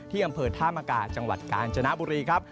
อำเภอธามกาจังหวัดกาญจนบุรีครับ